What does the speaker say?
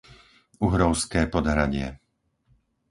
Uhrovské Podhradie